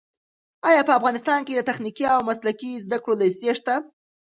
ایا په افغانستان کې د تخنیکي او مسلکي زده کړو لیسې شته؟